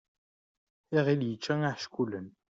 Iɣil yečča iḥeckulen.